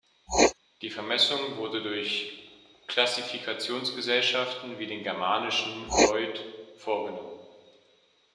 Die Vermessung wurde durch Klassifikationsgesellschaften wie den Germanischen Lloyd vorgenommen.